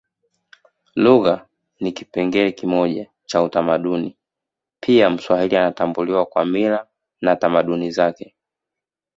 Lugha ni kipengele kimoja cha utamaduni pia mswahili anatambuliwa kwa mila na tamaduni zake